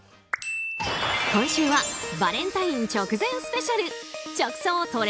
今週はバレンタイン直前スペシャル直送！